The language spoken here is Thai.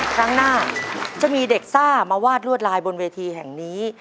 ครั้งหน้าจะมีเด็กซ่ามาวาดลวดลายบนเวทีแห่งนี้